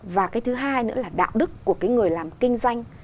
và cái thứ hai nữa là đạo đức của cái người làm kinh doanh